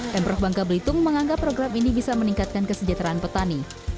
pemprov bangka belitung menganggap program ini bisa meningkatkan kesejahteraan petani